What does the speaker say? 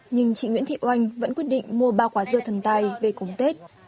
nhưng chị nguyễn thị oanh vẫn quyết định mua ba quả dưa thần tài về cùng tết